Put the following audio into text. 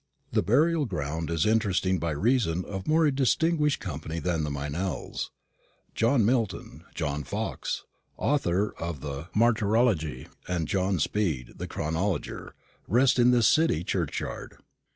The burial ground is interesting by reason of more distinguished company than the Meynells. John Milton, John Fox, author of the Martyrology, and John Speed, the chronologer, rest in this City churchyard.